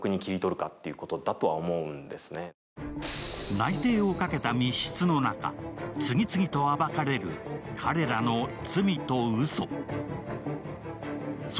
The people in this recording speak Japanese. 内定をかけた密室の中、次々と暴かれる彼らの罪とうそ。